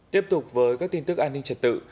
tiếp tục với các tin tức an ninh trật tự